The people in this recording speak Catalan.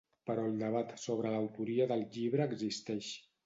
Però el debat sobre l'autoria del llibre existeix.